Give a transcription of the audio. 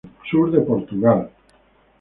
Sur de Portugal.